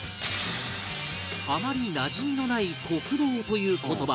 あまりなじみのない「酷道」という言葉